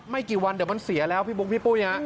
กี่วันเดี๋ยวมันเสียแล้วพี่บุ๊คพี่ปุ้ยฮะ